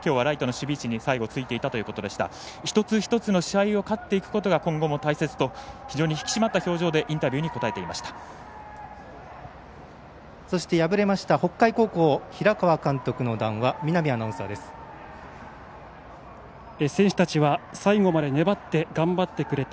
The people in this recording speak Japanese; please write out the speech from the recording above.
一つ一つの試合に勝つことが大切と非常に引き締まった表情でインタビューに答えていました。